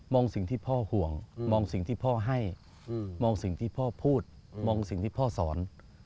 สิ่งที่พ่อห่วงมองสิ่งที่พ่อให้มองสิ่งที่พ่อพูดมองสิ่งที่พ่อสอน